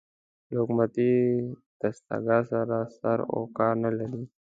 له حکومتي دستګاه سره سر و کار نه لري